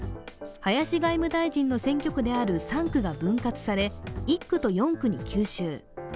林外務大臣の選挙区である３区が分割され１区と４区に吸収。